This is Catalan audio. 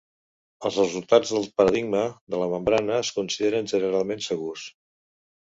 Els resultats del paradigma de la membrana es consideren generalment "segurs".